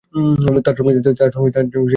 তার সঙ্গে সেখানে নিশ্চয়ই দেখা করব।